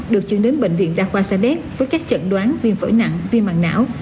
được chuyển đến bệnh viện đa khoa sa đéc với các chẩn đoán viêm phổi nặng viêm mạng não